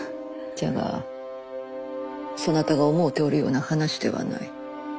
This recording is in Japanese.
じゃがそなたが思うておるような話ではない。